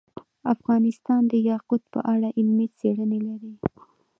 افغانستان د یاقوت په اړه علمي څېړنې لري.